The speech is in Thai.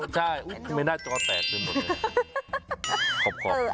ใช่ไม่น่าเจาะแตกเป็นหมดเลย